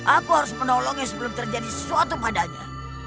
aku harus menolongnya sebelum terjadi sesuatu padanya